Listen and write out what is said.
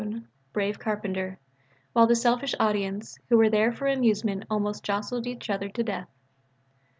Brave clown brave pantaloon brave carpenter (while the selfish audience who were there for amusement almost jostled each other to death).